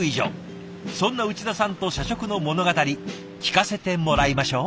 そんな内田さんと社食の物語聞かせてもらいましょう。